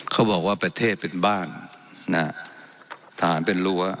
เขาบอกว่าประเทศเป็นบ้านนะฮะทหารเป็นรั้ว